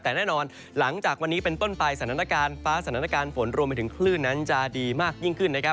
แต่แน่นอนหลังจากวันนี้เป็นต้นไปสถานการณ์ฟ้าสถานการณ์ฝนรวมไปถึงคลื่นนั้นจะดีมากยิ่งขึ้นนะครับ